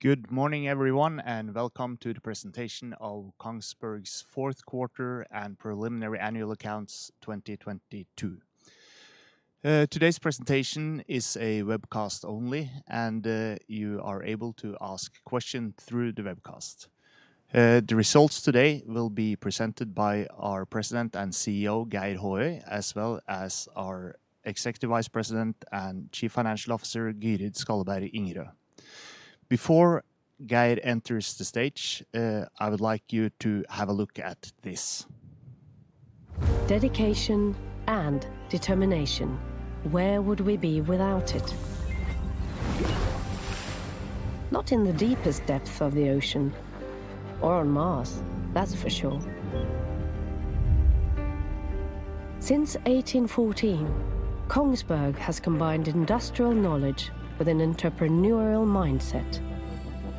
Good morning everyone, welcome to the presentation of Kongsberg's fourth quarter and preliminary annual accounts 2022. Today's presentation is a webcast only, and you are able to ask question through the webcast. The results today will be presented by our President and CEO, Geir Håøy, as well as our Executive Vice President and Chief Financial Officer, Gyrid Skalleberg Ingerø. Before Geir enters the stage, I would like you to have a look at this. Dedication and determination. Where would we be without it? Not in the deepest depth of the ocean or on Mars, that's for sure. Since 1814, Kongsberg has combined industrial knowledge with an entrepreneurial mindset.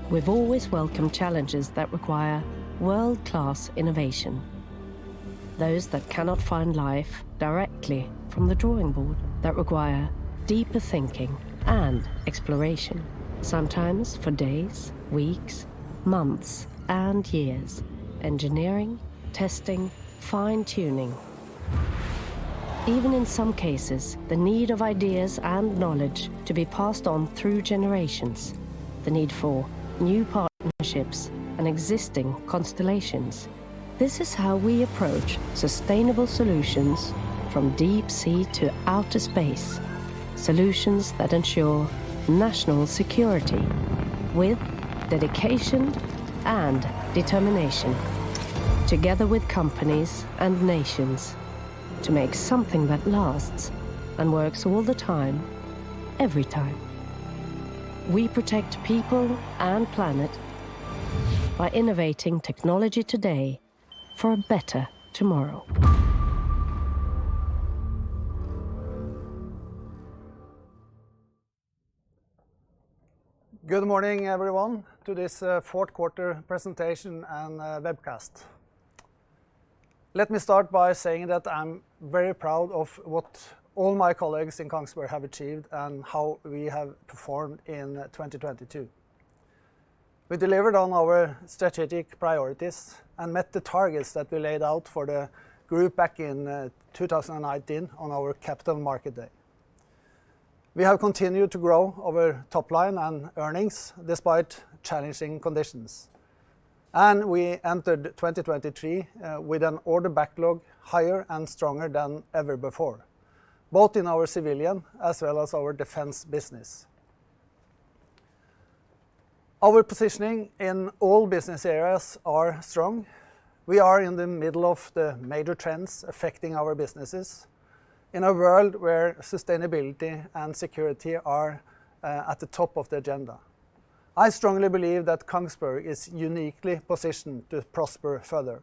We've always welcomed challenges that require world-class innovation. Those that cannot find life directly from the drawing board, that require deeper thinking and exploration, sometimes for days, weeks, months, and years. Engineering, testing, fine-tuning. Even in some cases, the need of ideas and knowledge to be passed on through generations. The need for new partnerships and existing constellations. This is how we approach sustainable solutions from deep sea to outer space. Solutions that ensure national security with dedication and determination, together with companies and nations, to make something that lasts and works all the time, every time. We protect people and planet by innovating technology today for a better tomorrow. Good morning everyone to this fourth quarter presentation and webcast. Let me start by saying that I'm very proud of what all my colleagues in Kongsberg have achieved and how we have performed in 2022. We delivered on our strategic priorities and met the targets that we laid out for the group back in 2019 on our Capital Markets Day. We have continued to grow our top line and earnings despite challenging conditions. We entered 2023 with an order backlog higher and stronger than ever before, both in our civilian as well as our defense business. Our positioning in all business areas are strong. We are in the middle of the major trends affecting our businesses in a world where sustainability and security are at the top of the agenda. I strongly believe that Kongsberg is uniquely positioned to prosper further.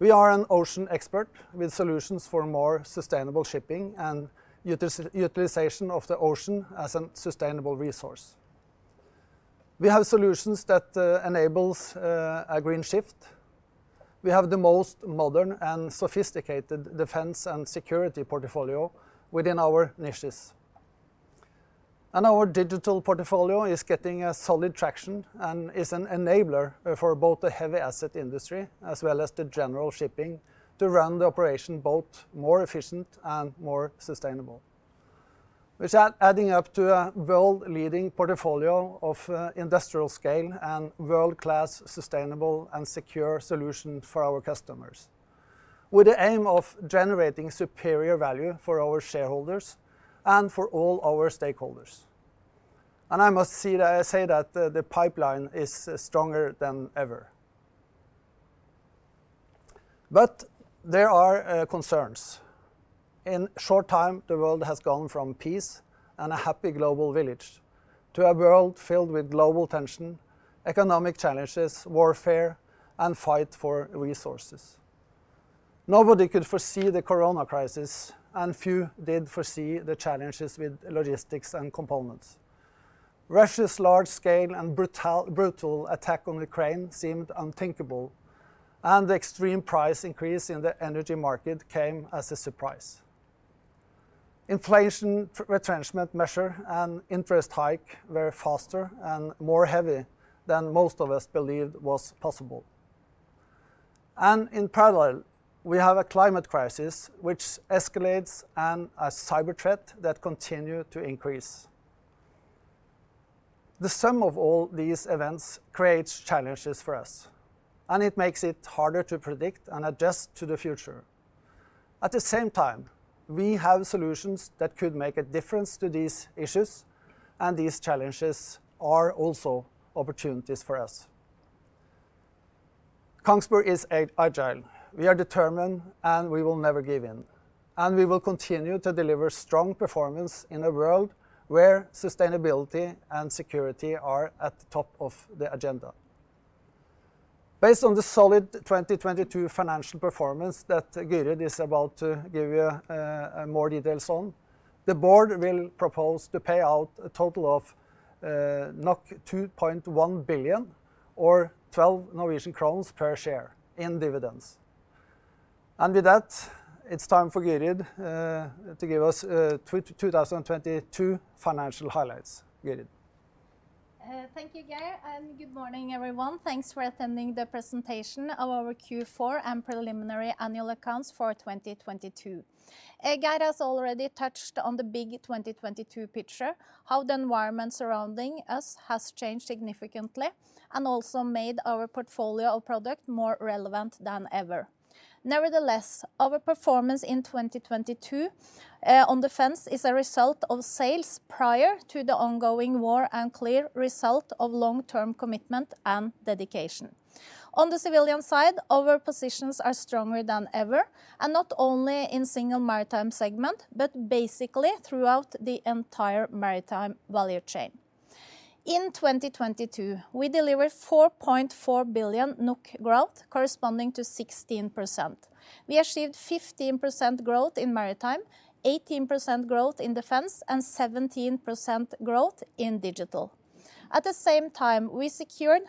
We are an ocean expert with solutions for more sustainable shipping and utilization of the ocean as a sustainable resource. We have solutions that enables a green shift. We have the most modern and sophisticated defense and security portfolio within our niches. Our digital portfolio is getting a solid traction and is an enabler for both the heavy asset industry as well as the general shipping to run the operation both more efficient and more sustainable, which are adding up to a world-leading portfolio of industrial scale and world-class sustainable and secure solution for our customers with the aim of generating superior value for our shareholders and for all our stakeholders. I must say that the pipeline is stronger than ever. There are concerns. In short time, the world has gone from peace and a happy global village to a world filled with global tension, economic challenges, warfare, and fight for resources. Nobody could foresee the Corona crisis, and few did foresee the challenges with logistics and components. Russia's large scale and brutal attack on Ukraine seemed unthinkable, and the extreme price increase in the energy market came as a surprise. Inflation retrenchment measure and interest hike were faster and more heavy than most of us believed was possible. In parallel, we have a climate crisis which escalates and a cyber threat that continue to increase. The sum of all these events creates challenges for us. It makes it harder to predict and adjust to the future. At the same time, we have solutions that could make a difference to these issues. These challenges are also opportunities for us. Kongsberg is agile. We are determined, and we will never give in, and we will continue to deliver strong performance in a world where sustainability and security are at the top of the agenda. Based on the solid 2022 financial performance that Gyrid is about to give you more details on, the board will propose to pay out a total of 2.1 billion or 12 Norwegian crowns per share in dividends. With that, it's time for Gyrid to give us 2022 financial highlights. Gyrid? Thank you Geir, and good morning, everyone. Thanks for attending the presentation of our Q4 and preliminary annual accounts for 2022. Geir has already touched on the big 2022 picture, how the environment surrounding us has changed significantly, and also made our portfolio of product more relevant than ever. Nevertheless, our performance in 2022 on defense is a result of sales prior to the ongoing war and clear result of long-term commitment and dedication. On the civilian side, our positions are stronger than ever, and not only in single maritime segment, but basically throughout the entire maritime value chain. In 2022, we delivered 4.4 billion NOK growth corresponding to 16%. We achieved 15% growth in maritime, 18% growth in defense, and 17% growth in digital. At the same time, we secured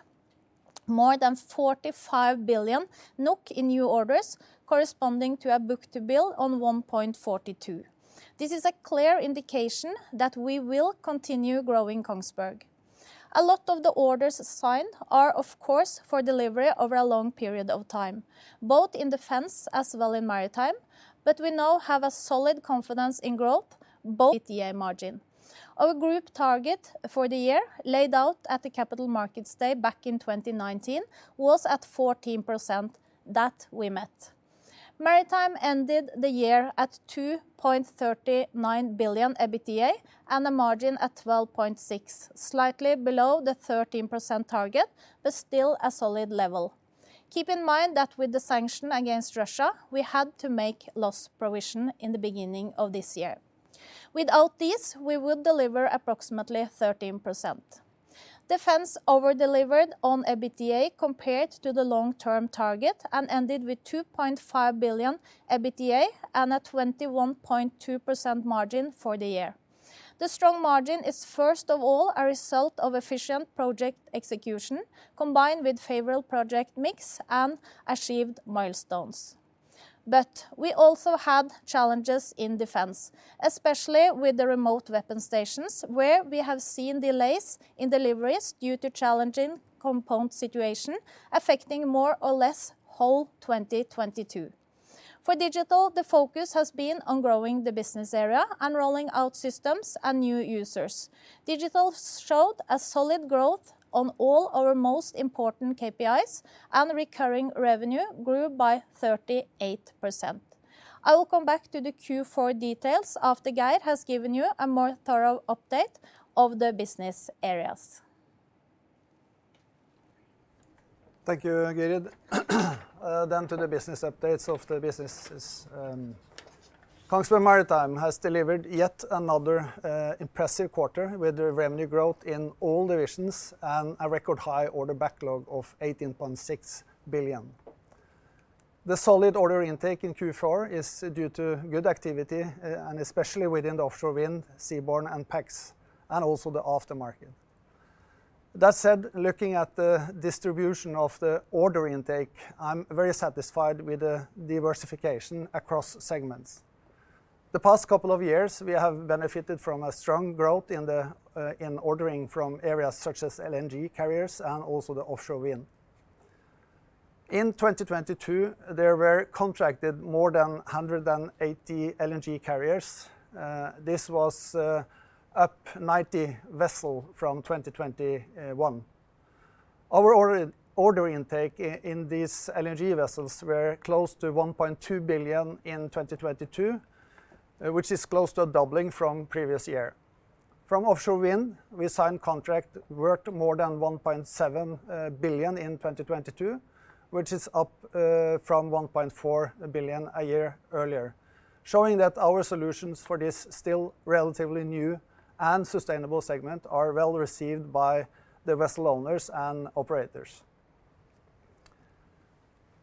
more than 45 billion NOK in new orders corresponding to a book-to-bill on 1.42. This is a clear indication that we will continue growing Kongsberg. A lot of the orders signed are of course for delivery over a long period of time, both in defense as well in maritime, but we now have a solid confidence in growth both ETA margin. Our group target for the year laid out at the Capital Markets Day back in 2019 was at 14%, that we met. Maritime ended the year at 2.39 billion EBITDA and a margin at 12.6%, slightly below the 13% target, but still a solid level. Keep in mind that with the sanction against Russia, we had to make loss provision in the beginning of this year. Without this, we would deliver approximately 13%. Defense over-delivered on EBITDA compared to the long-term target and ended with 2.5 billion EBITDA and a 21.2% margin for the year. The strong margin is first of all a result of efficient project execution combined with favorable project mix and achieved milestones. We also had challenges in Defense, especially with the Remote Weapon Stations, where we have seen delays in deliveries due to challenging component situation affecting more or less whole 2022. For Digital, the focus has been on growing the business area and rolling out systems and new users. Digital showed a solid growth on all our most important KPIs and recurring revenue grew by 38%. I will come back to the Q4 details after Geir has given you a more thorough update of the business areas. Thank you, Gyrid. Then to the business updates of the businesses. Kongsberg Maritime has delivered yet another impressive quarter with the revenue growth in all divisions and a record high order backlog of 18.6 billion. The solid order intake in Q4 is due to good activity, and especially within the offshore wind, Seaborne & Pax, and also the aftermarket. That said, looking at the distribution of the order intake, I'm very satisfied with the diversification across segments. The past couple of years, we have benefited from a strong growth in the in ordering from areas such as LNG carriers and also the offshore wind. In 2022, there were contracted more than 180 LNG carriers. This was up 90 vessel from 2021. Our order intake in these LNG vessels were close to 1.2 billion in 2022, which is close to doubling from previous year. Offshore wind, we signed contract worth more than 1.7 billion in 2022, which is up from 1.4 billion a year earlier, showing that our solutions for this still relatively new and sustainable segment are well received by the vessel owners and operators.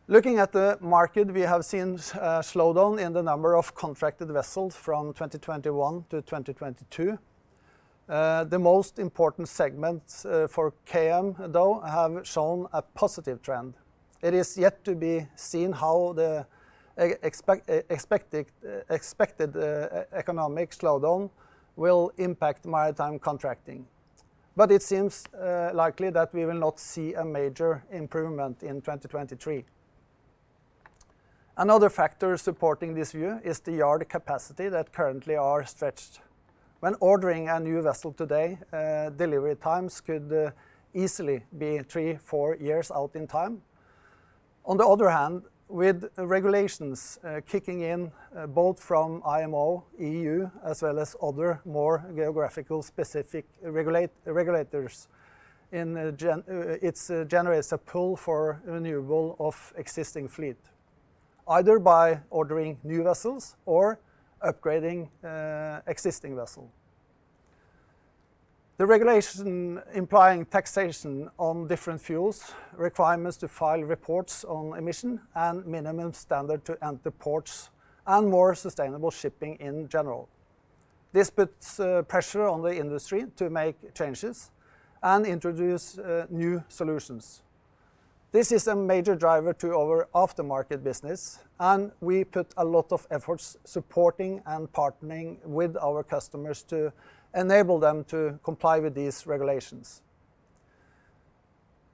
Looking at the market, we have seen a slowdown in the number of contracted vessels from 2021 to 2022. The most important segments for KM, though, have shown a positive trend. It is yet to be seen how the expected economic slowdown will impact maritime contracting. It seems likely that we will not see a major improvement in 2023. Another factor supporting this view is the yard capacity that currently are stretched. When ordering a new vessel today, delivery times could easily be three, four years out in time. On the other hand, with regulations kicking in, both from IMO, EU, as well as other more geographical specific regulators in general, it's generates a pull for renewable of existing fleet, either by ordering new vessels or upgrading existing vessel. The regulation implying taxation on different fuels, requirements to file reports on emission, and minimum standard to enter ports, and more sustainable shipping in general. This puts pressure on the industry to make changes and introduce new solutions. This is a major driver to our aftermarket business, and we put a lot of efforts supporting and partnering with our customers to enable them to comply with these regulations.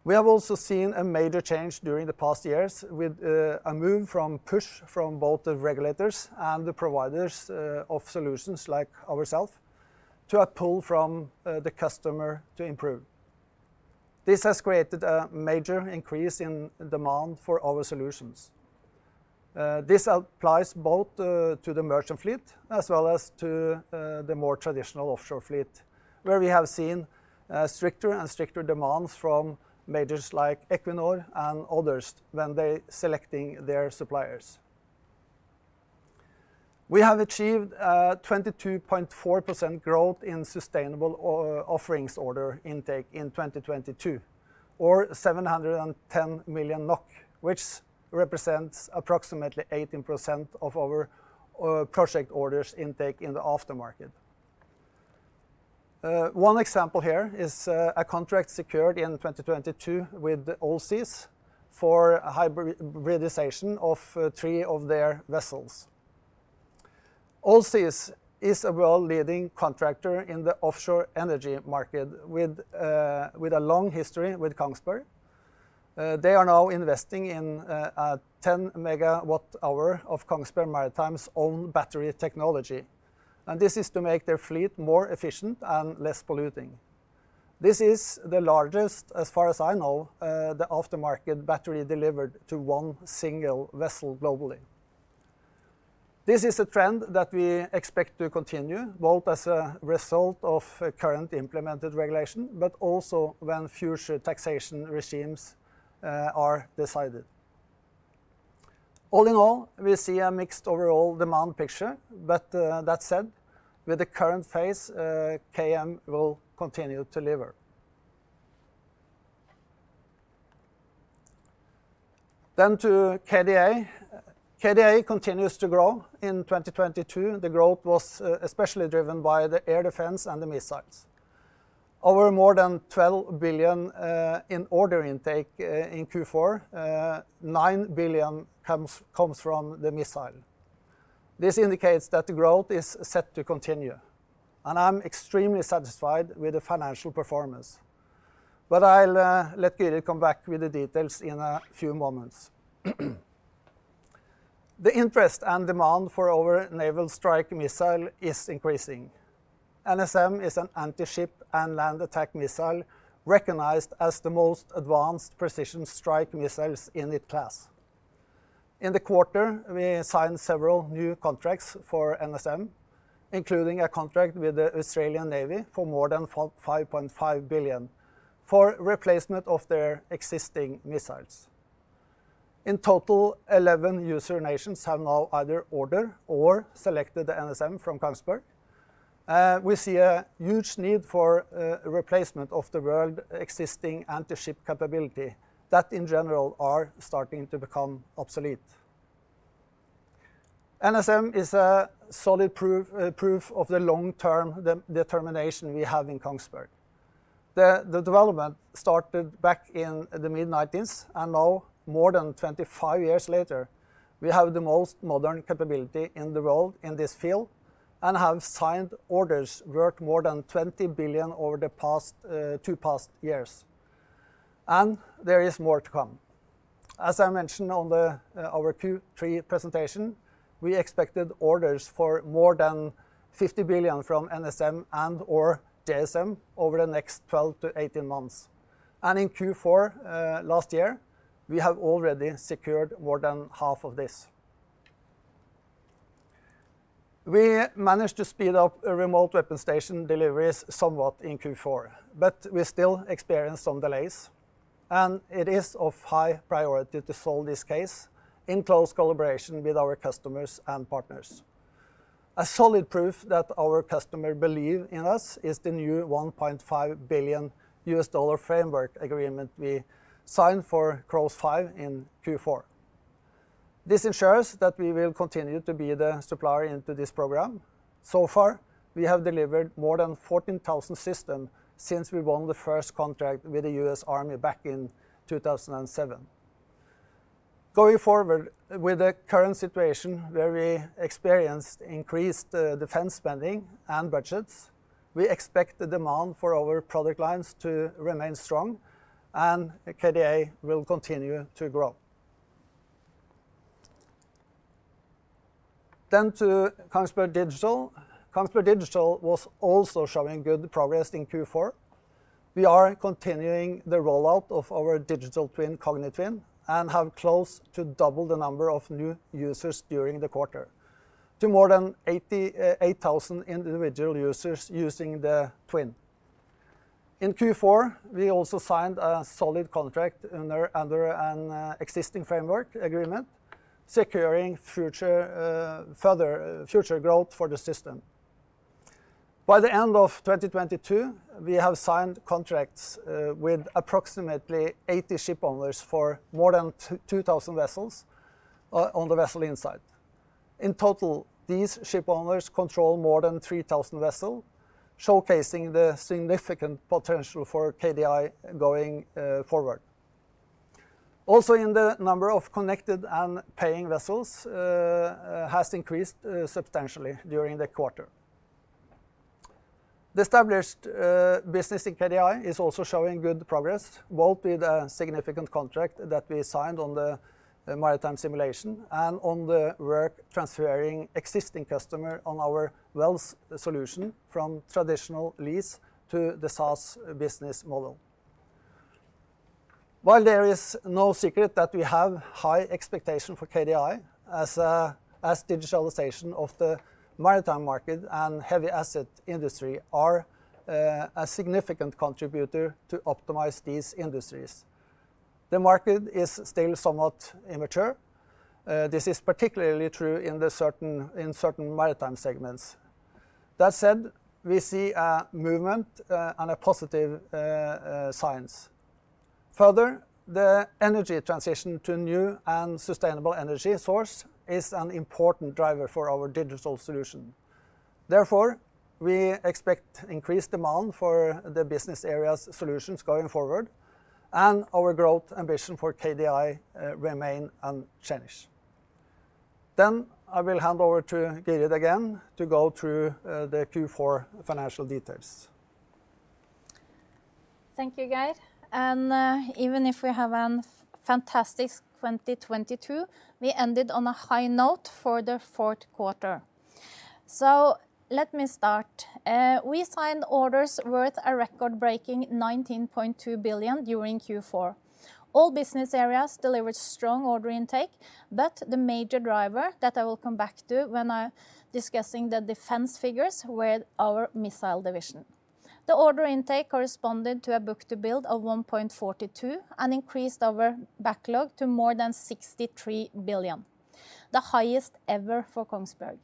We have also seen a major change during the past years with a move from push from both the regulators and the providers of solutions like ourselves to a pull from the customer to improve. This has created a major increase in demand for our solutions. This applies both to the merchant fleet as well as to the more traditional offshore fleet, where we have seen stricter and stricter demands from majors like Equinor and others when they selecting their suppliers. We have achieved 22.4% growth in sustainable offerings order intake in 2022, or 710 million NOK, which represents approximately 18% of our project orders intake in the aftermarket. One example here is a contract secured in 2022 with Allseas for a hybridization of 3 of their vessels. Allseas is a world-leading contractor in the offshore energy market with a long history with Kongsberg. They are now investing in a 10 MWh of Kongsberg Maritime's own battery technology, and this is to make their fleet more efficient and less polluting. This is the largest, as far as I know, the aftermarket battery delivered to one single vessel globally. This is a trend that we expect to continue, both as a result of current implemented regulation, but also when future taxation regimes are decided. All in all, we see a mixed overall demand picture, but, that said, with the current phase, KM will continue to deliver. To KDA. KDA continues to grow. In 2022, the growth was especially driven by the air defense and the missiles. Over more than 12 billion in order intake in Q4, 9 billion comes from the missile. This indicates that the growth is set to continue, and I'm extremely satisfied with the financial performance. I'll let Gyrid come back with the details in a few moments. The interest and demand for our Naval Strike Missile is increasing. NSM is an anti-ship and land attack missile recognized as the most advanced precision strike missiles in its class. In the quarter, we signed several new contracts for NSM, including a contract with the Australian Navy for more than 5.5 billion for replacement of their existing missiles. In total, 11 user nations have now either ordered or selected the NSM from Kongsberg. We see a huge need for replacement of the world existing anti-ship capability that in general are starting to become obsolete. NSM is a solid proof of the long-term determination we have in Kongsberg. The development started back in the mid-1990s, and now more than 25 years later, we have the most modern capability in the world in this field and have signed orders worth more than 20 billion over the past 2 years. There is more to come. As I mentioned on our Q3 presentation, we expected orders for more than 50 billion from NSM and or JSM over the next 12-18 months. In Q4 last year, we have already secured more than half of this. We managed to speed up a remote weapon station deliveries somewhat in Q4, but we still experience some delays, and it is of high priority to solve this case in close collaboration with our customers and partners. A solid proof that our customer believe in us is the new $1.5 billion framework agreement we signed for CROWS 5 in Q4. This ensures that we will continue to be the supplier into this program. We have delivered more than 14,000 systems since we won the first contract with the US Army back in 2007. Going forward, with the current situation where we experienced increased defense spending and budgets, we expect the demand for our product lines to remain strong, and KDA will continue to grow. To Kongsberg Digital. Kongsberg Digital was also showing good progress in Q4. We are continuing the rollout of our digital twin, Kognitwin, and have close to double the number of new users during the quarter to more than 88,000 individual users using the twin. In Q4, we also signed a solid contract under an existing framework agreement, securing further future growth for the system. By the end of 2022, we have signed contracts with approximately 80 ship owners for more than 2,000 vessels. On the Vessel Insight. In total, these ship owners control more than 3,000 vessel, showcasing the significant potential for KDI going forward. Also, in the number of connected and paying vessels has increased substantially during the quarter. The established business in KDI is also showing good progress, both with a significant contract that we signed on the maritime simulation and on the work transferring existing customer on our wells solution from traditional lease to the SaaS business model. While there is no secret that we have high expectation for KDI as digitalization of the maritime market and heavy asset industry are a significant contributor to optimize these industries, the market is still somewhat immature. This is particularly true in certain maritime segments. That said, we see a movement and a positive signs. Further, the energy transition to new and sustainable energy source is an important driver for our digital solution. Therefore, we expect increased demand for the business areas solutions going forward and our growth ambition for KDI remain unchanged. I will hand over to Gyrid again to go through the Q4 financial details. Thank you, Geir. Even if we have an fantastic 2022, we ended on a high note for the fourth quarter. Let me start. We signed orders worth a record-breaking 19.2 billion during Q4. All business areas delivered strong order intake, but the major driver that I will come back to when I discussing the defense figures were our missile division. The order intake corresponded to a book-to-bill of 1.42 and increased our backlog to more than 63 billion, the highest ever for Kongsberg.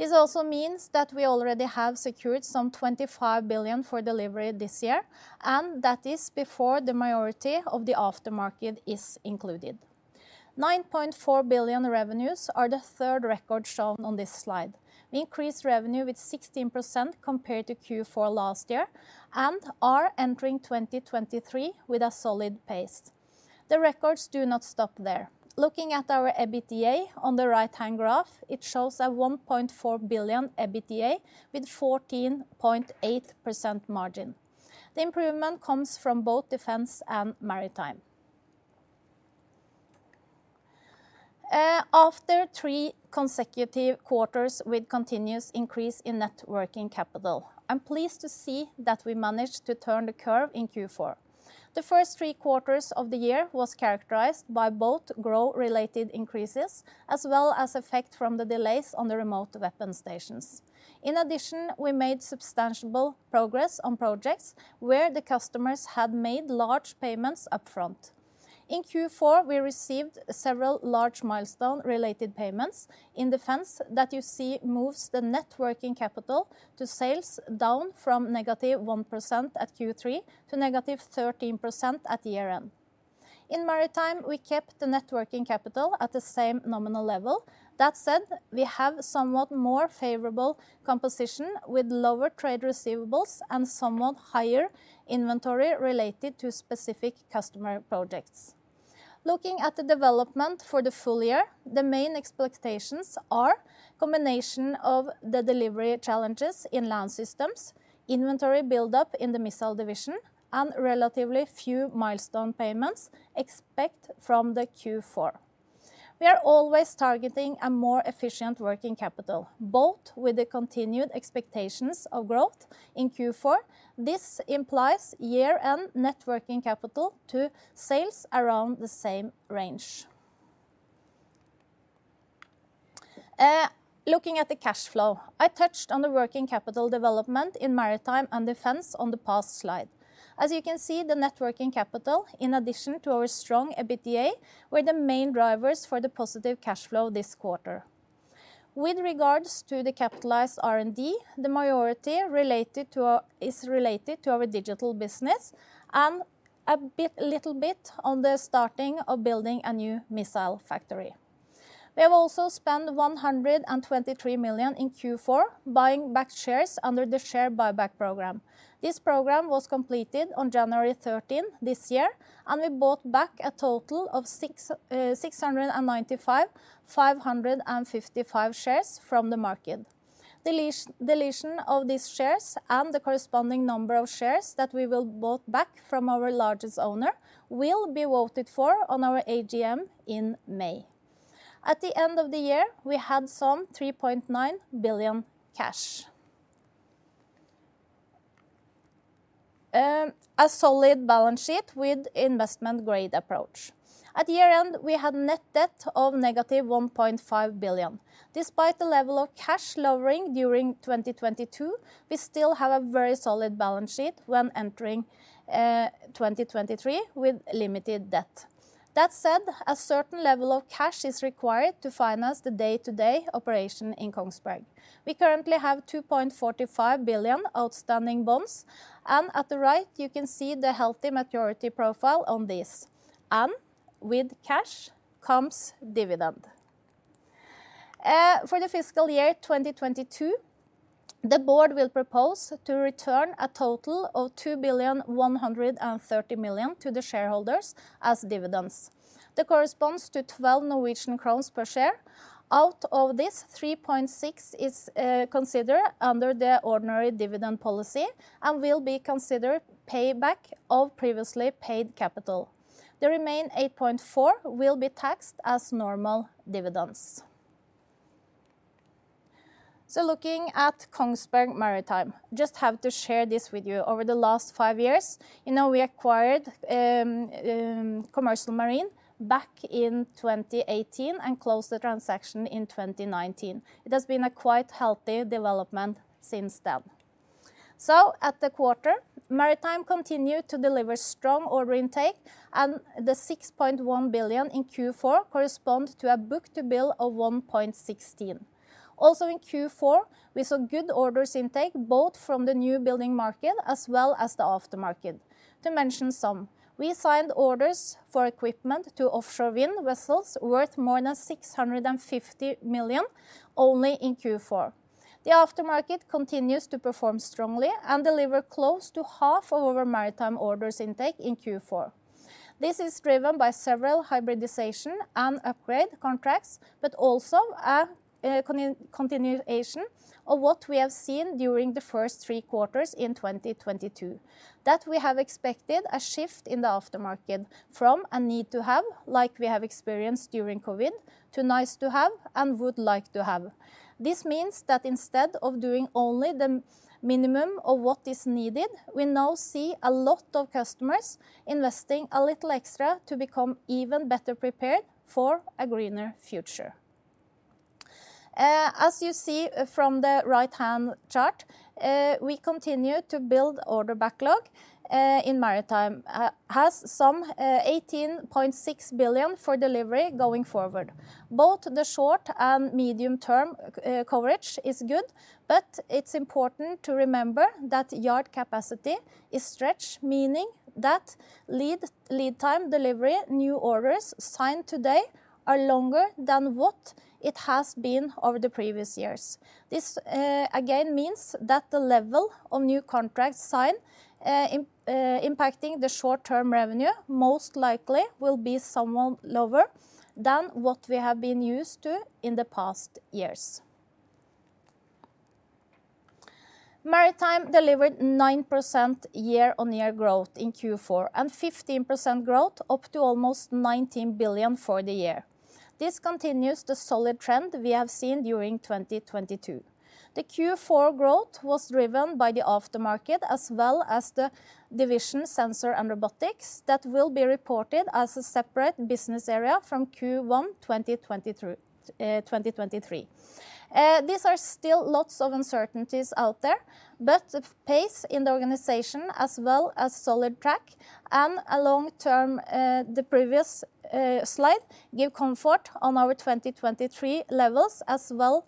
This also means that we already have secured some 25 billion for delivery this year, and that is before the majority of the aftermarket is included. 9.4 billion revenues are the third record shown on this slide. We increased revenue with 16% compared to Q4 last year and are entering 2023 with a solid pace. The records do not stop there. Looking at our EBITDA on the right-hand graph, it shows a 1.4 billion EBITDA with 14.8% margin. The improvement comes from both Defence and Maritime. After three consecutive quarters with continuous increase in net working capital, I'm pleased to see that we managed to turn the curve in Q4. The first three quarters of the year was characterized by both growth-related increases as well as effect from the delays on the Remote Weapon Stations. We made substantial progress on projects where the customers had made large payments upfront. In Q4, we received several large milestone related payments in defense that you see moves the net working capital to sales down from -1% at Q3 to -13% at year-end. In maritime, we kept the net working capital at the same nominal level. That said, we have somewhat more favorable composition with lower trade receivables and somewhat higher inventory related to specific customer projects. Looking at the development for the full year, the main expectations are combination of the delivery challenges in land systems, inventory buildup in the missile division, and relatively few milestone payments expect from the Q4. We are always targeting a more efficient working capital, both with the continued expectations of growth in Q4. This implies year-end net working capital to sales around the same range. Looking at the cash flow. I touched on the working capital development in maritime and defense on the past slide. As you can see, the net working capital, in addition to our strong EBITDA, were the main drivers for the positive cash flow this quarter. With regards to the capitalized R&D, the majority is related to our digital business and little bit on the starting of building a new missile factory. We have also spent 123 million in Q4 buying back shares under the share buyback program. This program was completed on January 13th this year, and we bought back a total of 695,555 shares from the market. Deletion of these shares and the corresponding number of shares that we will bought back from our largest owner will be voted for on our AGM in May. At the end of the year, we had some 3.9 billion cash. A solid balance sheet with investment grade approach. At year-end, we had net debt of negative 1.5 billion. Despite the level of cash lowering during 2022, we still have a very solid balance sheet when entering 2023 with limited debt. That said, a certain level of cash is required to finance the day-to-day operation in Kongsberg. We currently have 2.45 billion outstanding bonds, and at the right, you can see the healthy maturity profile on this. With cash comes dividend for the fiscal year 2022, the board will propose to return a total of 2.13 billion to the shareholders as dividends. That corresponds to 12 Norwegian crowns per share. Out of this, 3.6 is considered under the ordinary dividend policy and will be considered payback of previously paid capital. The remaining 8.4 will be taxed as normal dividends. Looking at Kongsberg Maritime, just have to share this with you. Over the last five years, you know, we acquired Commercial Marine back in 2018 and closed the transaction in 2019. It has been a quite healthy development since then. At the quarter, Maritime continued to deliver strong order intake, and the 6.1 billion in Q4 corresponds to a book-to-bill of 1.16. Also in Q4, we saw good orders intake both from the new building market as well as the aftermarket. To mention some, we signed orders for equipment to offshore wind vessels worth more than 650 million only in Q4. The aftermarket continues to perform strongly and deliver close to half of our Maritime orders intake in Q4. This is driven by several hybridization and upgrade contracts, but also a continuation of what we have seen during the first three quarters in 2022. That we have expected a shift in the aftermarket from a need to have, like we have experienced during COVID, to nice to have and would like to have. This means that instead of doing only the minimum of what is needed, we now see a lot of customers investing a little extra to become even better prepared for a greener future. As you see from the right-hand chart, we continue to build order backlog in Maritime. Has some 18.6 billion for delivery going forward. Both the short and medium-term coverage is good, but it's important to remember that yard capacity is stretched, meaning that lead time delivery new orders signed today are longer than what it has been over the previous years. This again means that the level of new contracts signed impacting the short-term revenue most likely will be somewhat lower than what we have been used to in the past years. Maritime delivered 9% year-on-year growth in Q4 and 15% growth up to almost 19 billion for the year. This continues the solid trend we have seen during 2022. The Q4 growth was driven by the aftermarket as well as the division Sensors and Robotics that will be reported as a separate business area from Q1 2023. These are still lots of uncertainties out there, but the pace in the organization as well as solid track and a long-term, the previous slide give comfort on our 2023 levels as well.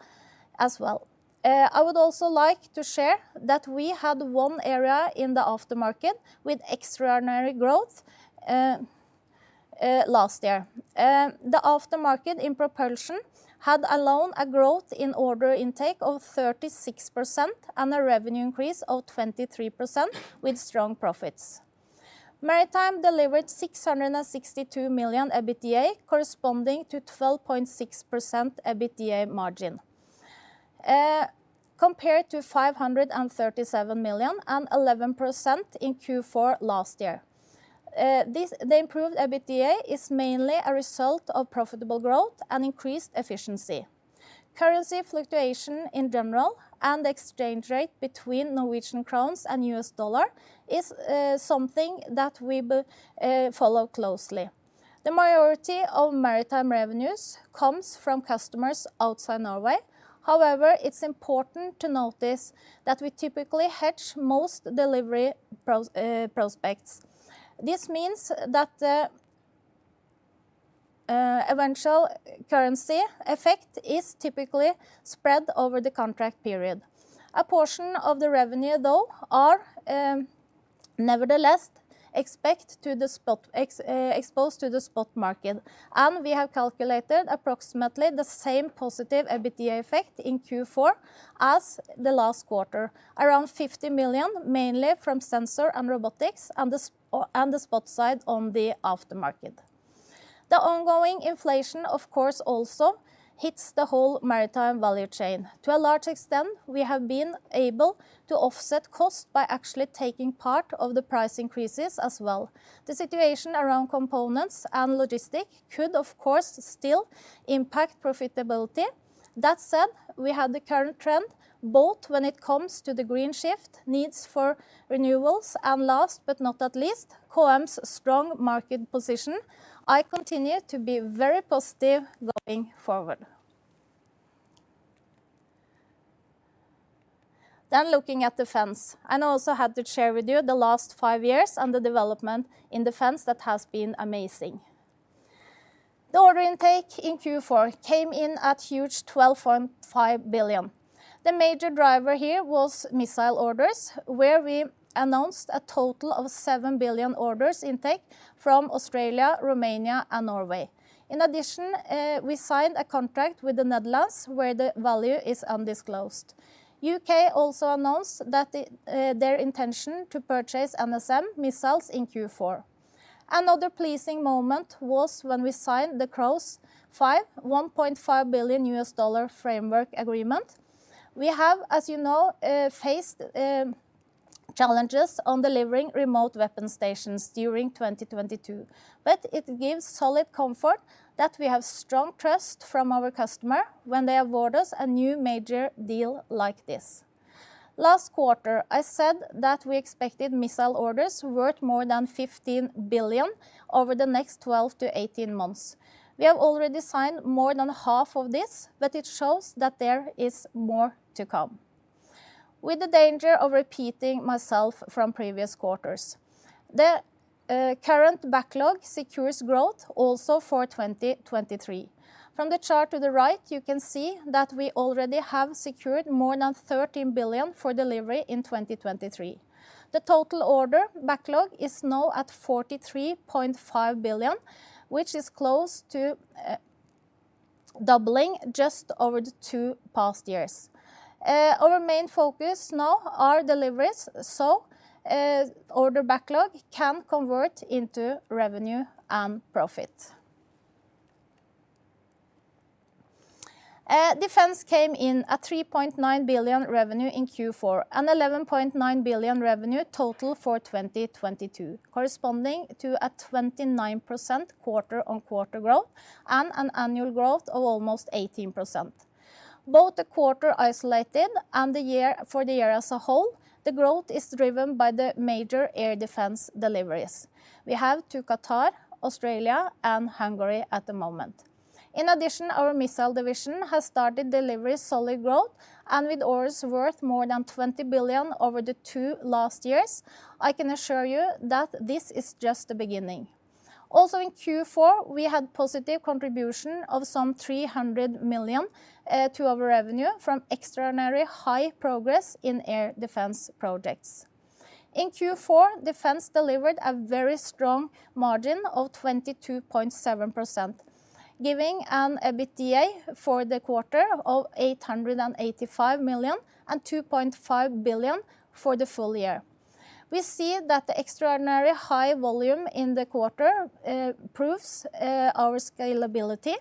I would also like to share that we had one area in the aftermarket with extraordinary growth last year. The aftermarket in propulsion had alone a growth in order intake of 36% and a revenue increase of 23% with strong profits. Maritime delivered 662 million EBITDA corresponding to 12.6% EBITDA margin compared to 537 million and 11% in Q4 last year. The improved EBITDA is mainly a result of profitable growth and increased efficiency. Currency fluctuation in general and exchange rate between Norwegian crowns and US dollar is something that we follow closely. The majority of Maritime revenues comes from customers outside Norway. It's important to notice that we typically hedge most delivery prospects. This means that the eventual currency effect is typically spread over the contract period. A portion of the revenue, though, are nevertheless exposed to the spot market, and we have calculated approximately the same positive EBITDA effect in Q4 as the last quarter. Around 50 million, mainly from Sensors and Robotics and the spot side on the aftermarket. The ongoing inflation, of course, also hits the whole Maritime value chain. To a large extent, we have been able to offset costs by actually taking part of the price increases as well. The situation around components and logistics could, of course, still impact profitability. That said, we have the current trend both when it comes to the green shift needs for renewals and last but not least, KM's strong market position, I continue to be very positive going forward. Looking at Defence, I also have to share with you the last 5 years and the development in Defence that has been amazing. The order intake in Q4 came in at huge 12.5 billion. The major driver here was missile orders, where we announced a total of 7 billion orders intake from Australia, Romania, and Norway. In addition, we signed a contract with the Netherlands, where the value is undisclosed. U.K. also announced that their intention to purchase NSM missiles in Q4. Another pleasing moment was when we signed the CROWS 5, $1.5 billion framework agreement. We have, as you know, faced challenges on delivering Remote Weapon Stations during 2022, it gives solid comfort that we have strong trust from our customer when they award us a new major deal like this. Last quarter, I said that we expected missile orders worth more than 15 billion over the next 12 to 18 months. We have already signed more than half of this, it shows that there is more to come. With the danger of repeating myself from previous quarters, the current backlog secures growth also for 2023. From the chart to the right, you can see that we already have secured more than 13 billion for delivery in 2023. The total order backlog is now at 43.5 billion, which is close to doubling just over the two past years. Our main focus now are deliveries, so order backlog can convert into revenue and profit. Defense came in at 3.9 billion revenue in Q4, and 11.9 billion revenue total for 2022, corresponding to a 29% quarter-on-quarter growth and an annual growth of almost 18%. Both the quarter isolated and the year, for the year as a whole, the growth is driven by the major air defense deliveries. We have to Qatar, Australia, and Hungary at the moment. In addition, our missile division has started delivery solid growth, and with orders worth more than 20 billion over the two last years, I can assure you that this is just the beginning. In Q4, we had positive contribution of some 300 million to our revenue from extraordinary high progress in air defense projects. In Q4, Defense delivered a very strong margin of 22.7%, giving an EBITDA for the quarter of 885 million, and 2.5 billion for the full year. We see that the extraordinary high volume in the quarter proves our scalability.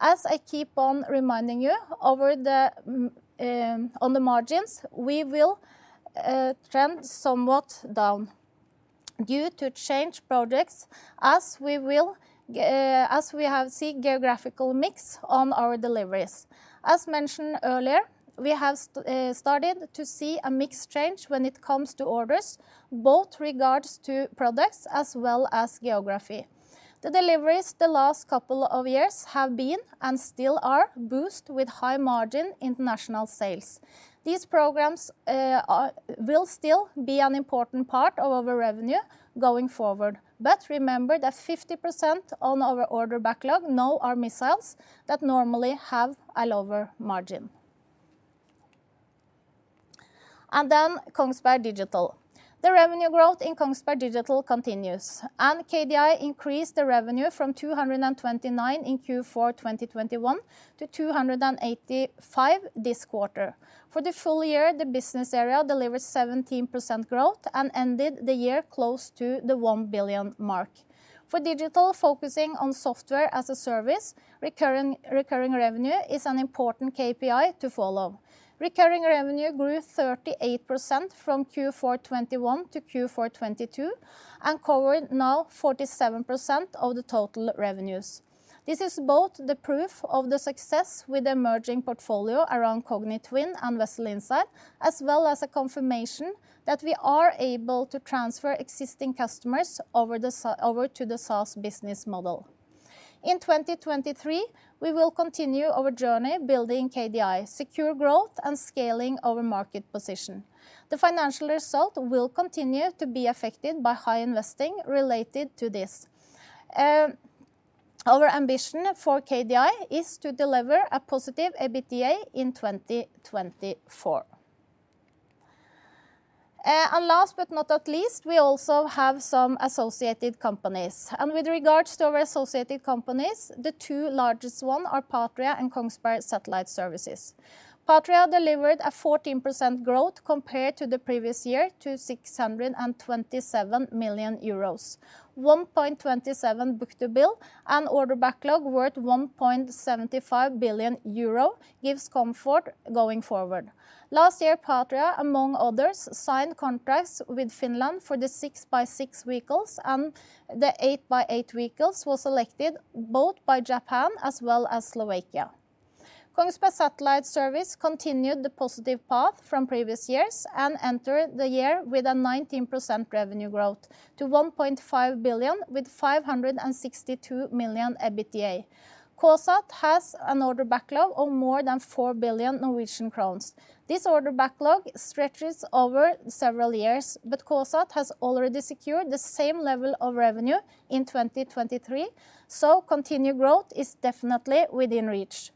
As I keep on reminding you, over the on the margins, we will trend somewhat down due to change projects as we have seen geographical mix on our deliveries. As mentioned earlier, we have started to see a mix change when it comes to orders, both regards to products as well as geography. The deliveries the last couple of years have been and still are boosted with high margin international sales. These programs will still be an important part of our revenue going forward. Remember that 50% on our order backlog now are missiles that normally have a lower margin. Kongsberg Digital. The revenue growth in Kongsberg Digital continues. KDI increased the revenue from 229 in Q4 2021 to 285 this quarter. For the full year, the business area delivered 17% growth and ended the year close to the 1 billion mark. For Digital, focusing on software as a service, recurring revenue is an important KPI to follow. Recurring revenue grew 38% from Q4 2021 to Q4 2022, covered now 47% of the total revenues. This is both the proof of the success with the emerging portfolio around Kognitwin and Vessel Insight, as well as a confirmation that we are able to transfer existing customers over to the SaaS business model. In 2023, we will continue our journey building KDI, secure growth, and scaling our market position. The financial result will continue to be affected by high investing related to this. Our ambition for KDI is to deliver a positive EBITDA in 2024. Last but not least, we also have some associated companies. With regards to our associated companies, the two largest one are Patria and Kongsberg Satellite Services. Patria delivered a 14% growth compared to the previous year to 627 million euros. 1.27 book-to-bill and order backlog worth 1.75 billion euro gives comfort going forward. Last year, Patria, among others, signed contracts with Finland for the 6x6 vehicles, and the 8x8 vehicles was selected both by Japan as well as Slovakia. Kongsberg Satellite Services continued the positive path from previous years and entered the year with a 19% revenue growth to 1.5 billion with 562 million EBITDA. KSAT has an order backlog of more than 4 billion Norwegian crowns. This order backlog stretches over several years, but KSAT has already secured the same level of revenue in 2023, so continued growth is definitely within reach.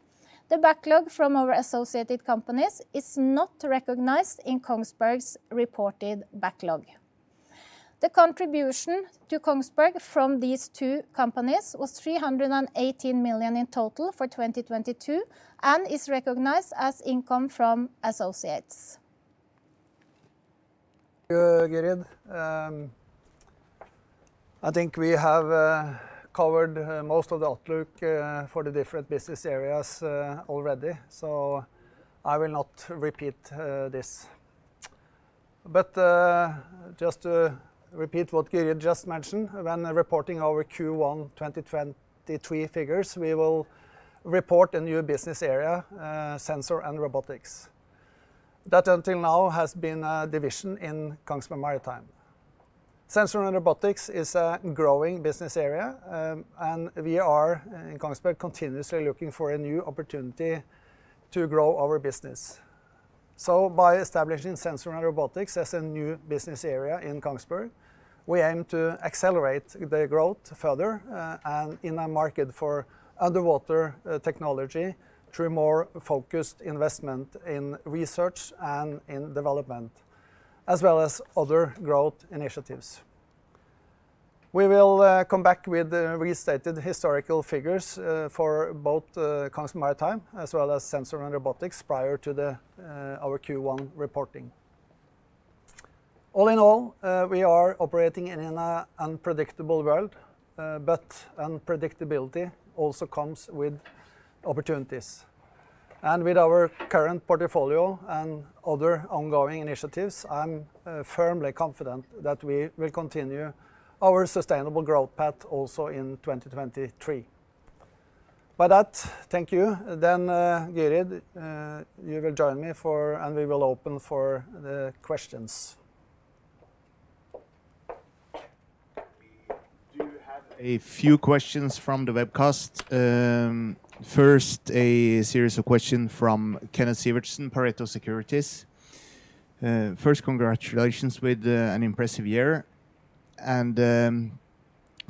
The backlog from our associated companies is not recognized in Kongsberg's reported backlog. The contribution to Kongsberg from these two companies was 318 million in total for 2022 and is recognized as income from associates. Thank you, Gyrid. I think we have covered most of the outlook for the different business areas already, I will not repeat this. Just to repeat what Gyrid just mentioned, when reporting our Q1 2023 figures, we will report a new business area, Sensors and Robotics. That until now has been a division in Kongsberg Maritime. Sensors and Robotics is a growing business area, and we are, in Kongsberg, continuously looking for a new opportunity to grow our business. By establishing Sensors and Robotics as a new business area in Kongsberg, we aim to accelerate the growth further, and in a market for underwater technology through more focused investment in research and in development, as well as other growth initiatives. We will come back with the restated historical figures for both Kongsberg Maritime as well as Sensors and Robotics prior to the our Q1 reporting. All in all, we are operating in an unpredictable world, but unpredictability also comes with opportunities. With our current portfolio and other ongoing initiatives, I'm firmly confident that we will continue our sustainable growth path also in 2023. By that, thank you. Gyrid, you will join me for, and we will open for the questions. We do have a few questions from the webcast. First, a series of question from Kenneth Sivertsen, Pareto Securities. First, congratulations with an impressive year.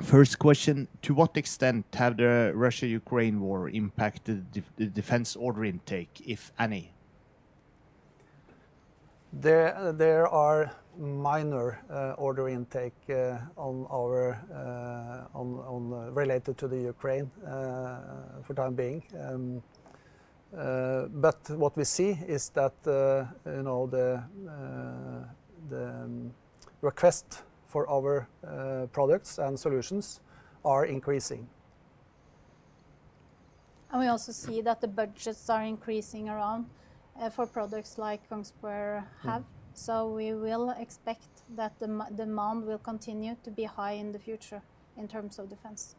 First question, to what extent have the Russia-Ukraine war impacted the defense order intake, if any? There are minor order intake related to the Ukraine for the time being. What we see is that, you know, the request for our products and solutions are increasing. We also see that the budgets are increasing around for products like Kongsberg have. Mm. We will expect that demand will continue to be high in the future in terms of defense.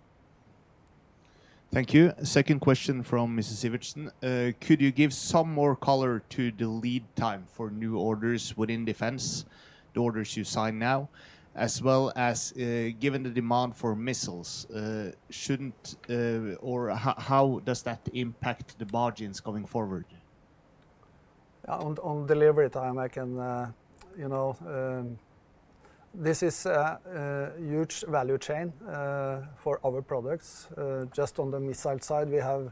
Thank you. Second question from Mr. Sivertsen. Could you give some more color to the lead time for new orders within defense, the orders you sign now, as well as, given the demand for missiles, how does that impact the margins going forward? On delivery time, I can, you know. This is a huge value chain for our products. Just on the missile side, we have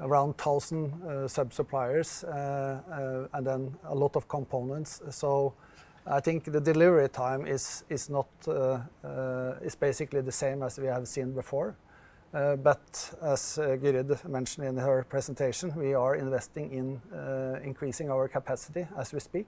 around 1,000 sub-suppliers and then a lot of components. I think the delivery time is not, is basically the same as we have seen before. As Gyrid mentioned in her presentation, we are investing in increasing our capacity as we speak.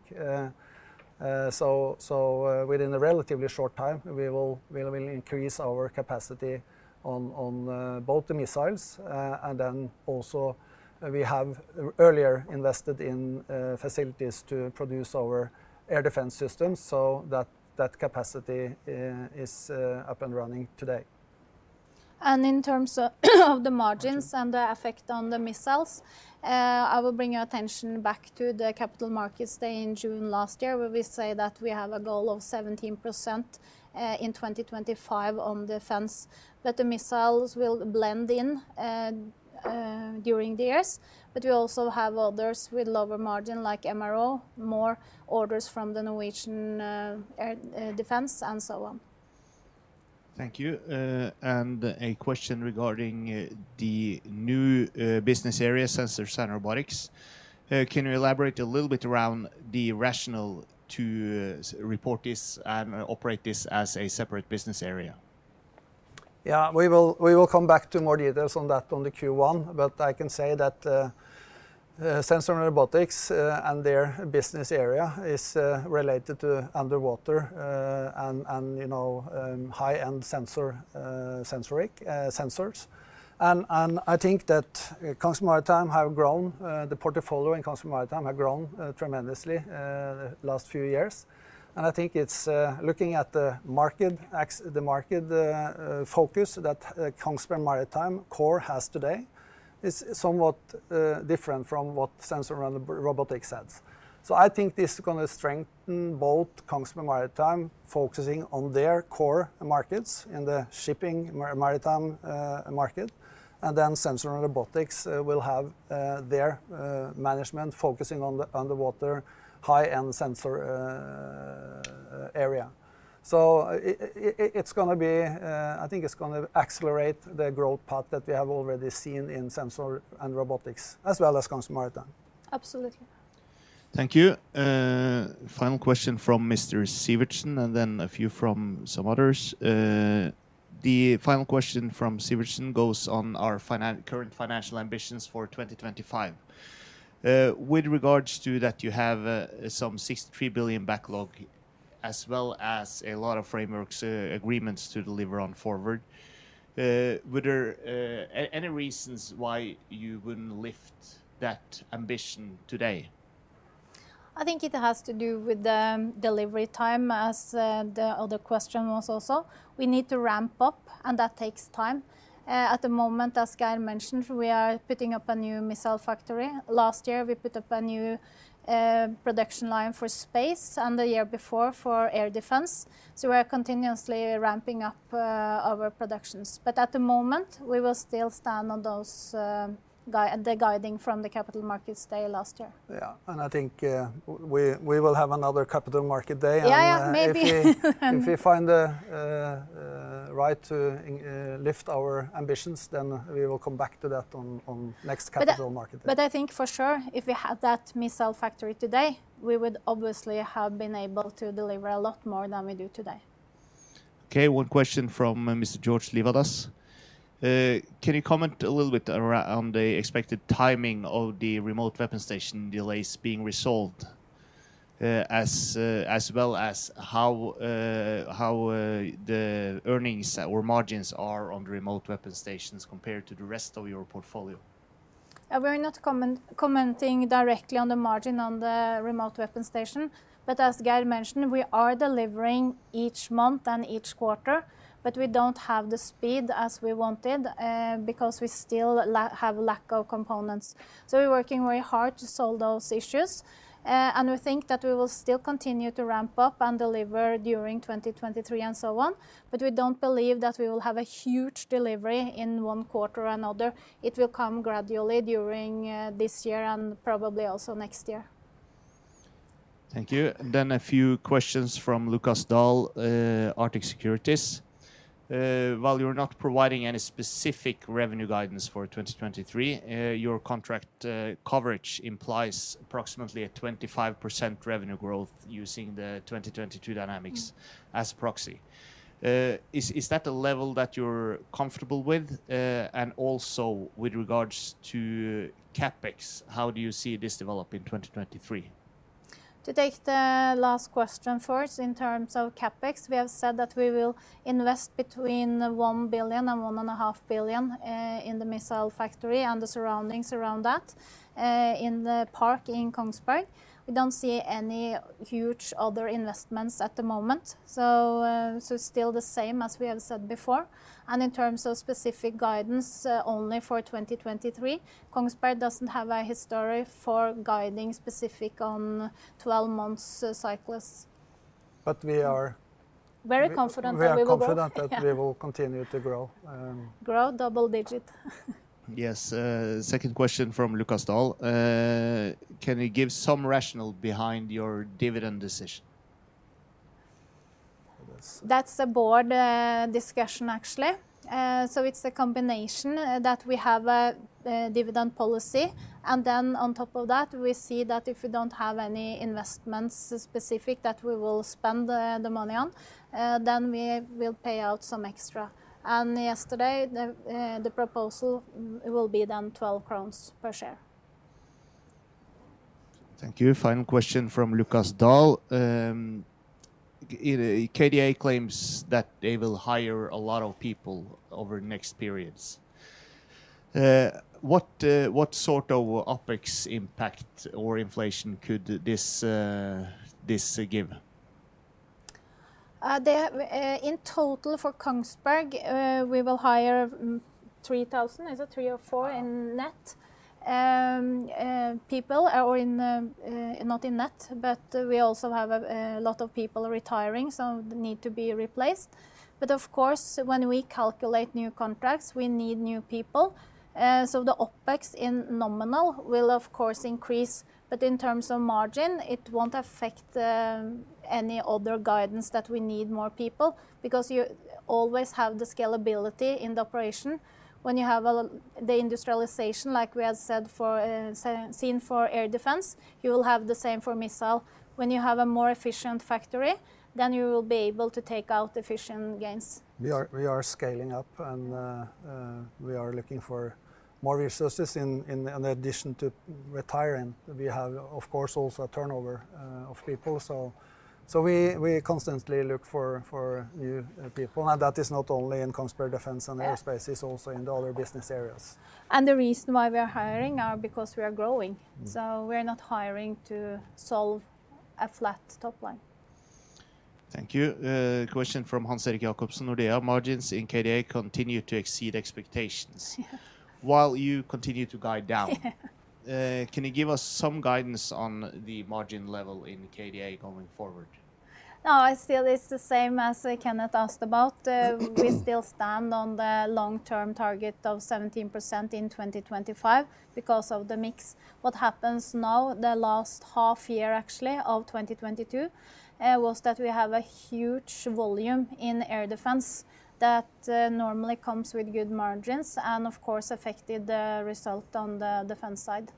Within a relatively short time, we will increase our capacity on both the missiles, and then also we have earlier invested in facilities to produce our air defense systems, so that capacity is up and running today. In terms of the margins. Excuse me.... and the effect on the missiles, I will bring your attention back to the Capital Markets Day in June last year, where we say that we have a goal of 17% in 2025 on defense. The missiles will blend in during the years. We also have others with lower margin, like MRO, more orders from the Norwegian air defense, and so on. Thank you. A question regarding the new business area, Sensors and Robotics. Can you elaborate a little bit around the rationale to report this and operate this as a separate business area? We will come back to more details on that on the Q1, but I can say that Sensors and Robotics and their business area is related to underwater and, you know, high-end sensor, sensoric sensors. I think that Kongsberg Maritime have grown the portfolio in Kongsberg Maritime have grown tremendously the last few years. I think it's looking at the market focus that Kongsberg Maritime core has today is somewhat different from what Sensors and Robotics has. I think this is gonna strengthen both Kongsberg Maritime focusing on their core markets in the shipping maritime market, and then Sensors and Robotics will have their management focusing on the underwater high-end sensor area. It's gonna be, I think it's gonna accelerate the growth path that we have already seen in Sensors and Robotics, as well as Kongsberg Maritime. Absolutely. Thank you. Final question from Mr. Sivertsen and then a few from some others. The final question from Sivertsen goes on our current financial ambitions for 2025. With regards to that you have some 63 billion backlog as well as a lot of frameworks, agreements to deliver on forward. Were there any reasons why you wouldn't lift that ambition today? I think it has to do with the delivery time, as the other question was also. We need to ramp up. That takes time. At the moment, as Geir mentioned, we are putting up a new missile factory. Last year we put up a new production line for space, and the year before for air defense. We are continuously ramping up our productions. At the moment, we will still stand on those the guiding from the Capital Markets Day last year. Yeah. I think, we will have another Capital Markets Day- Yeah, yeah. Maybe If we find the, right to lift our ambitions, then we will come back to that on next Capital Markets Day. I think for sure if we had that missile factory today, we would obviously have been able to deliver a lot more than we do today. Okay, one question from Mr. George Livadas. Can you comment a little bit around the expected timing of the Remote Weapon Station delays being resolved, as well as how the earnings or margins are on Remote Weapon Stations compared to the rest of your portfolio? We're not commenting directly on the margin on the Remote Weapon Station, but as Geir mentioned, we are delivering each month and each quarter, but we don't have the speed as we wanted because we still have lack of components. We're working very hard to solve those issues. We think that we will still continue to ramp up and deliver during 2023 and so on, but we don't believe that we will have a huge delivery in one quarter or another. It will come gradually during this year and probably also next year. Thank you. A few questions from Lukas Dahl, Arctic Securities. While you're not providing any specific revenue guidance for 2023, your contract coverage implies approximately a 25% revenue growth using the 2022 dynamics- Mm.... as proxy. Is that a level that you're comfortable with? Also with regards to CapEx, how do you see this develop in 2023? To take the last question first, in terms of CapEx, we have said that we will invest between 1 billion and 1.5 billion in the missile factory and the surroundings around that, in the park in Kongsberg. We don't see any huge other investments at the moment, still the same as we have said before. In terms of specific guidance, only for 2023, Kongsberg doesn't have a history for guiding specific on 12 months cycles. But we are- Very confident that we will grow.... We are confident that we will continue to grow. Grow double digit. Yes. Second question from Lukas Dahl. Can you give some rationale behind your dividend decision? That's- That's a board discussion, actually. So it's a combination that we have a dividend policy, and then on top of that we see that if we don't have any investments specific that we will spend the money on, then we will pay out some extra. Yesterday the proposal will be then NOK 12 per share. Thank you. Final question from Lukas Dahl. KDA claims that they will hire a lot of people over next periods. What sort of OpEx impact or inflation could this give? In total for Kongsberg, we will hire 3,000, is it three or four in net, people or in, not in net, but we also have a lot of people retiring, so need to be replaced. Of course, when we calculate new contracts, we need new people. The OpEx in nominal will of course increase, but in terms of margin, it won't affect any other guidance that we need more people because you always have the scalability in the operation when you have the industrialization, like we have said for, seen for air defense. You will have the same for missile. When you have a more efficient factory, then you will be able to take out efficient gains. We are scaling up and we are looking for more resources in addition to retiring. We have of course also a turnover of people, so we constantly look for new people. That is not only in Kongsberg Defence & Aerospace. Yeah It's also in the other business areas. The reason why we are hiring are because we are growing. Mm. We're not hiring to solve a flat top line. Thank you. Question from Hans-Erik Jacobsen, Nordea. Margins in KDA continue to exceed expectations- Yeah.... while you continue to guide down. Yeah. Can you give us some guidance on the margin level in KDA going forward? It's still the same as Kenneth asked about. We still stand on the long-term target of 17% in 2025 because of the mix. What happens now, the last half year actually of 2022, was that we have a huge volume in air defense that normally comes with good margins, and of course affected the result on the defense side.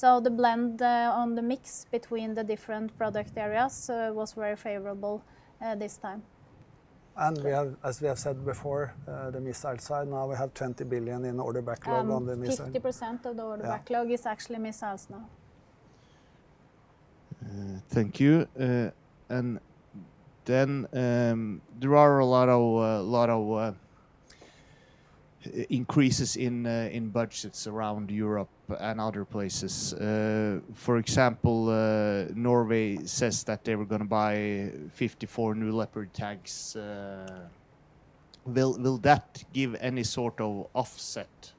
The blend on the mix between the different product areas was very favorable this time. We have, as we have said before, the missile side. Now we have 20 billion in order backlog. 50% of the- Yeah.... backlog is actually missiles now. Thank you. There are a lot of increases in budgets around Europe and other places. For example, Norway says that they were gonna buy 54 new Leopard tanks. Will that give any sort of offset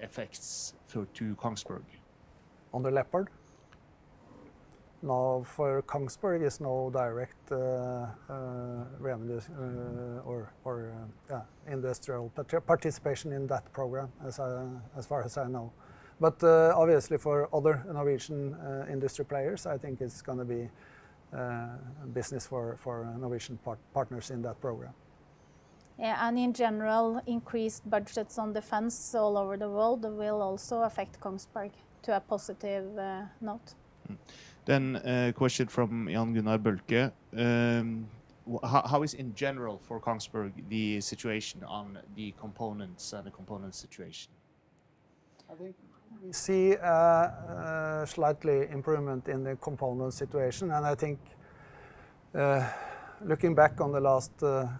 effects through to Kongsberg? On the Leopard? No, for Kongsberg is no direct revenues, or, yeah, industrial participation in that program as far as I know. Obviously, for other innovation industry players, I think it's gonna be business for innovation partners in that program. Yeah, in general, increased budgets on defense all over the world will also affect Kongsberg to a positive note. A question from Jan Gunnar Boehlke. How is in general for Kongsberg the situation on the components and the component situation? I think we see a slightly improvement in the component situation, I think looking back on the last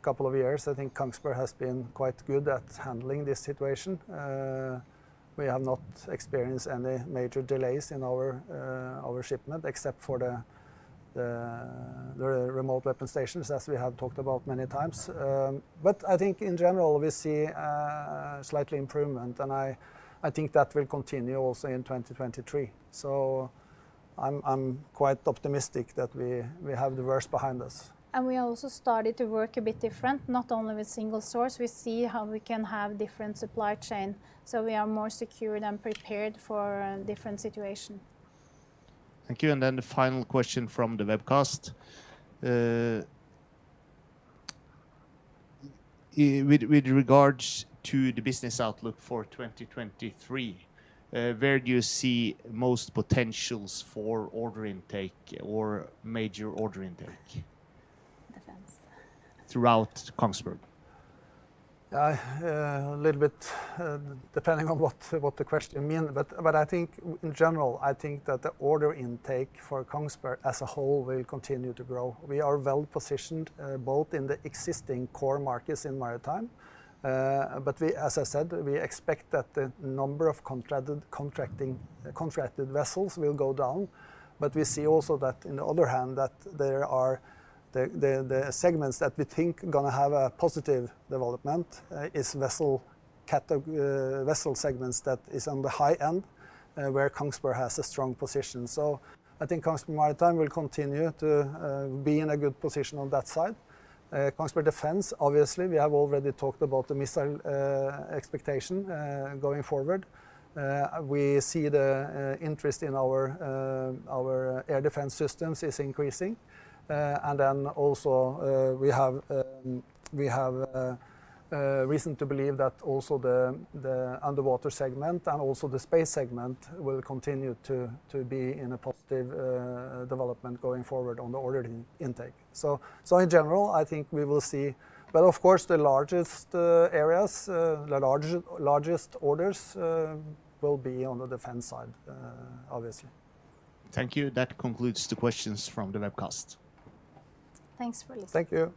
couple of years, I think Kongsberg has been quite good at handling this situation. We have not experienced any major delays in our shipment except for the Remote Weapon Stations, as we have talked about many times. I think in general we see a slightly improvement, and I think that will continue also in 2023. I'm quite optimistic that we have the worst behind us. We also started to work a bit different, not only with single source. We see how we can have different supply chain, so we are more secure and prepared for a different situation. Thank you. The final question from the webcast, with regards to the business outlook for 2023, where do you see most potentials for order intake or major order intake? Defense. Throughout Kongsberg? I, a little bit, depending on what the question mean, but I think in general, I think that the order intake for Kongsberg as a whole will continue to grow. We are well-positioned, both in the existing core markets in Maritime, but as I said, we expect that the number of contracted vessels will go down. We see also that in the other hand, the segments that we think gonna have a positive development, is vessel segments that is on the high end, where Kongsberg has a strong position. I think Kongsberg Maritime will continue to be in a good position on that side. Kongsberg Defence, obviously, we have already talked about the missile expectation going forward. We see the interest in our air defense systems is increasing. Then also, we have a reason to believe that also the underwater segment and also the space segment will continue to be in a positive development going forward on the order intake. In general, I think we will see... Of course, the largest areas, the largest orders will be on the defense side, obviously. Thank you. That concludes the questions from the webcast. Thanks for listening. Thank you.